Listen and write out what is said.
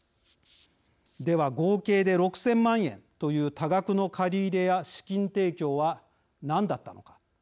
では、合計で６０００万円という多額の借り入れや資金提供は何だったのか。